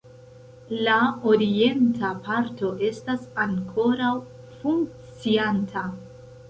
La orienta parto estas ankoraŭ funkcianta.